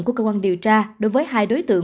của cơ quan điều tra đối với hai đối tượng